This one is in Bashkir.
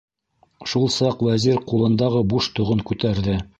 Шул саҡ Вәзир ҡулындағы буш тоғон күтәрҙе.